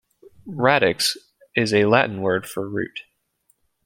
"Radix" is a Latin word for "root".